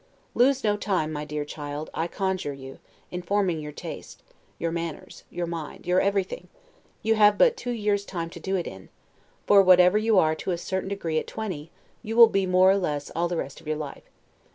Lose no time, my dear child, I conjure you, in forming your taste, your manners, your mind, your everything; you have but two years' time to do it in; for whatever you are, to a certain degree, at twenty, you will be, more or less, all the rest of your life.